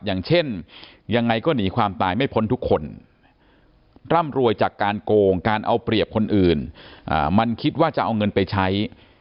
อย่างเช่นยังไงก็หนีความตายไม่พ้นทุกคนร่ำรวยจากการโกงการเอาเปรียบคนอื่นมันคิดว่าจะเอาเงินไปใช้